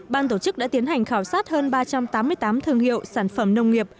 ban tổ chức đã tiến hành khảo sát hơn ba trăm tám mươi tám thương hiệu sản phẩm nông nghiệp